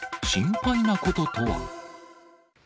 心配なこととは？